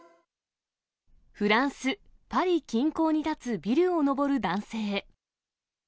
フランス・パリ近郊に建つビルを登る男性。